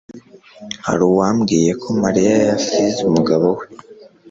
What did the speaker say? Hari uwambwiye ko Mariya yasize umugabo we